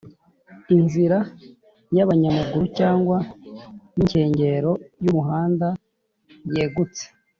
inzira y'abanyamaguru cyangwa w'inkengero y'umuhanda yegutse